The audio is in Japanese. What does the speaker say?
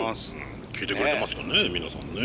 聴いてくれてますかね皆さんね。